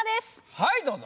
はいどうぞ。